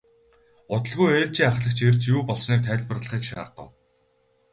Удалгүй ээлжийн ахлагч ирж юу болсныг тайлбарлахыг шаардав.